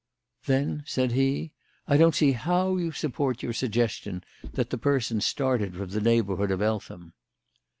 "Then," said he, "I don't see how you support your suggestion that the person started from the neighbourhood of Eltham."